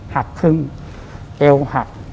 หักครึ่งเอวหัก